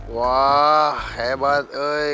wah hebat eh